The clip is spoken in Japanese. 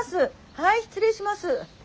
はい失礼します。